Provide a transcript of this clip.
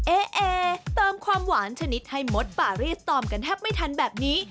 เอเอเติมความหวานชนิดให้มดปารีสตอมกันแทบไม่ทันแบบนี้